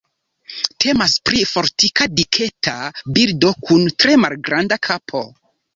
Temas pri fortika diketa birdo kun tre malgranda kapo.